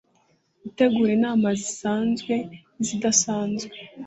gutegura inama zisanzwe n izidasanzwe